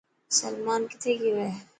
سلمان ڪٿي گيو تو.